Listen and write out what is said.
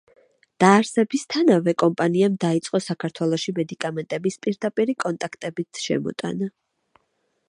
დაარსებისთანავე, კომპანიამ დაიწყო საქართველოში მედიკამენტების პირდაპირი კონტაქტებით შემოტანა.